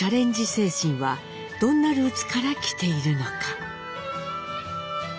精神はどんなルーツから来ているのか？